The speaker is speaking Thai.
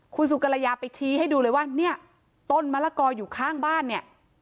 คุณสุกรยาไปชี้ให้ดูเลยว่าเนี่ยต้นมะละกออยู่ข้างบ้านเนี่ย